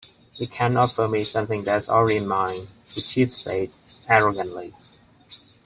"You can't offer me something that is already mine," the chief said, arrogantly.